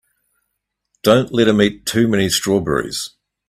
Don't let him eat too many strawberries.